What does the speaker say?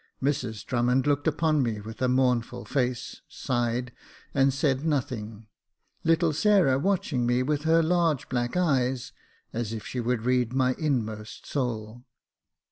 Mrs Drummond looked upon me with a mournful face, sighed, and said nothing ; little Sarah watching me with her large black eyes, as if she would read my inmost soul.